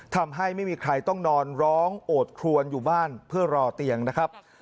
ทำให้ไม่มีใครต้องนอนร้องโอดครวนอยู่บ้านเพื่อรอเตียงนะครับ